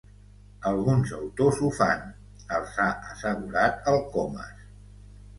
Alguns autors ho fan —els ha assegurat el Comas—.